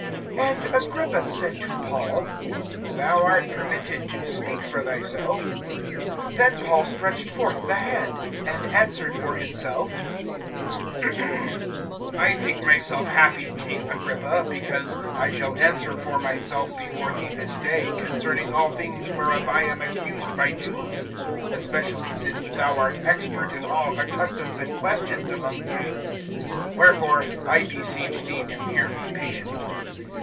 AND Agrippa said to Paul: Thou art permitted to speak for thyself. Then Paul stretched forth the hand, and answered for himself: (2)I think myself happy, king Agrippa, because I shall answer for myself before thee this day, concerning all things whereof I am accused by Jews; (3)especially since thou art expert in all the customs and questions among Jews. Wherefore I beseech thee to hear me patiently.